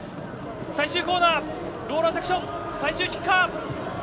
最終コーナーローラーセクション最終キッカー！